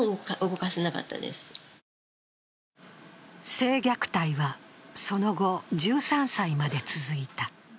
性虐待はその後１３歳まで続いた。